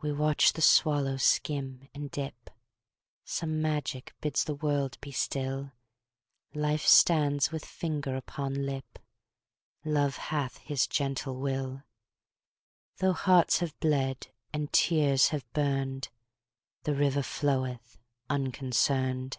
We watch the swallow skim and dip; Some magic bids the world be still; Life stands with finger upon lip; Love hath his gentle will; Though hearts have bled, and tears have burned, The river floweth unconcerned.